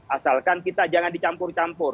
asalkan kita jangan dicampur campur